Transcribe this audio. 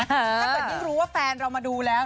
ถ้าเงินรู้ว่าแฟนเรามาดูแล้ว